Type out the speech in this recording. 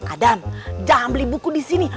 adam jangan beli buku disini